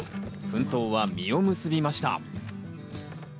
奮闘は実を結びました。